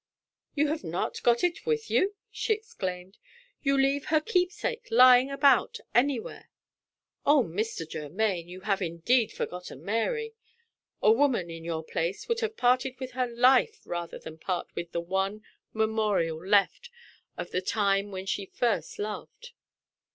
"You have not got it with you?" she exclaimed. "You leave her keepsake lying about anywhere? Oh, Mr. Germaine, you have indeed forgotten Mary! A woman, in your place, would have parted with her life rather than part with the one memorial left of the time when she first loved!"